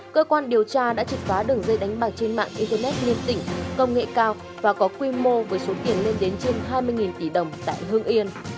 cơ quan điều tra đã triệt phá đường dây đánh bạc trên mạng internet liên tỉnh công nghệ cao và có quy mô với số tiền lên đến trên hai mươi tỷ đồng tại hương yên